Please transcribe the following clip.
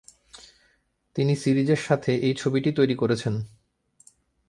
তিনি সিরিজের সাথে এই ছবিটি তৈরি করেছেন।